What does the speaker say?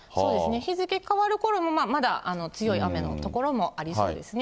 日付変わるころもまだ強い雨の所もありそうですね。